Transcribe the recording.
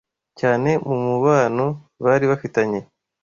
cyane mu mubano bari bafitanye